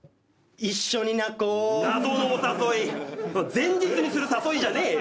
前日にする誘いじゃねえよ。